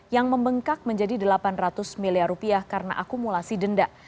yang membengkak menjadi rp delapan ratus karena akumulasi denda